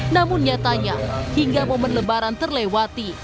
namun nyatanya hingga momen lebaran terlewati